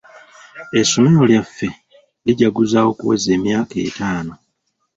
Essomero lyaffe lijaguza okuweza emyaka etaano.